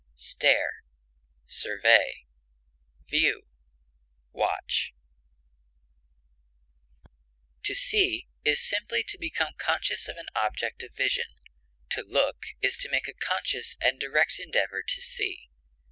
descry, glance, scan, survey, To see is simply to become conscious of an object of vision; to look is to make a conscious and direct endeavor to see.